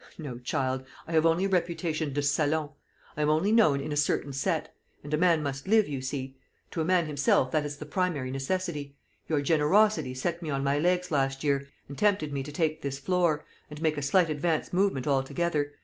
"No, child; I have only a reputation de salon, I am only known in a certain set. And a man must live, you see. To a man himself that is the primary necessity. Your generosity set me on my legs last year, and tempted me to take this floor, and make a slight advance movement altogether.